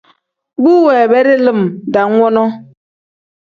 Bu weebedi lim dam wonoo.